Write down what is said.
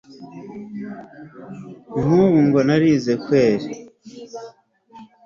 nkubu ngo narize kweri